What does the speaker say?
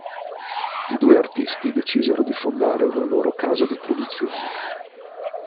I due artisti decisero di fondare una loro casa di produzione.